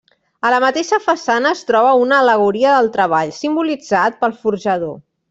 A la mateixa façana es troba una al·legoria del treball, simbolitzat pel forjador.